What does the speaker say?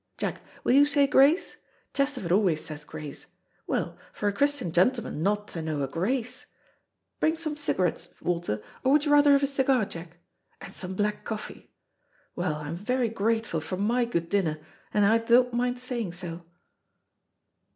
Jack, will you say grace? Chesterford always says grace. Well, for a Christian gentleman not to know a grace! Bring some cigarettes, Walter, or would you rather have a cigar, Jack? And some black coffee. Well, I'm very grateful for my good dinner, and I don't mind saying so."